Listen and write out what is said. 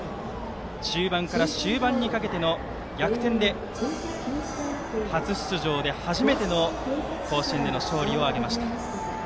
中盤から終盤にかけての逆転で初出場で初めての甲子園での勝利を挙げました。